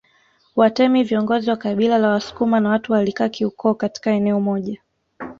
Watemi viongozi wa kabila la Wasukuma na watu walikaa kiukoo katika eneo moja